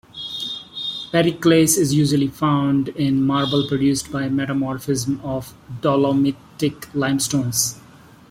Periclase is usually found in marble produced by metamorphism of dolomitic limestones.